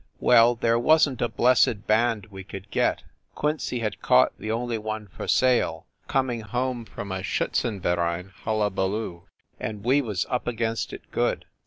Well, there wasn t a blessed band we could get Quincy had caught the only one for sale, coming home from a Schiitzenverein hullabaloo, and we was up against it good.